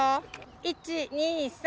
１２３。